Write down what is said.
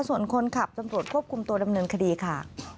ส่วนคนขับตำรวจควบคุมตัวดำเนินคดีค่ะ